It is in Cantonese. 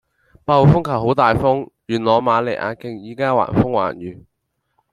八號風球好大風，元朗瑪利亞徑依家橫風橫雨